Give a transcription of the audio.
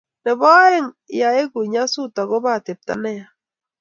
nebo aeng, yaegee nyasut agoba atepto neya